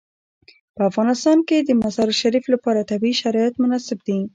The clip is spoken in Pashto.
په افغانستان کې د مزارشریف لپاره طبیعي شرایط مناسب دي.